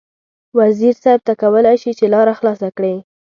وزیر صیب ته کولای شې چې لاره خلاصه کړې.